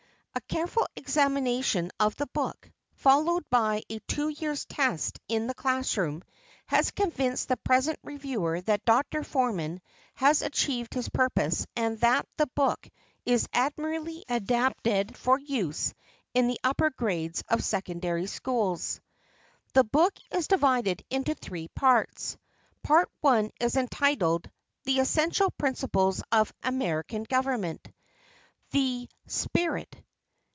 A careful examination of the book, followed by a two years' test in the class room, has convinced the present reviewer that Dr. Forman has achieved his purpose and that the book is admirably adapted for use in the upper grades of secondary schools. The book is divided into three parts. Part I is entitled "The Essential Principles of American Government. The Spirit."